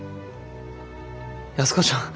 安子ちゃん。